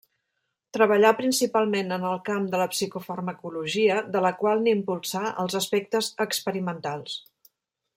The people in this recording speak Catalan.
Treballà principalment en el camp de la psicofarmacologia, de la qual n'impulsà els aspectes experimentals.